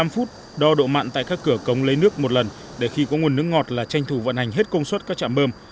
một mươi phút đo độ mặn tại các cửa cống lấy nước một lần để khi có nguồn nước ngọt là tranh thủ vận hành hết công suất các trạm bơm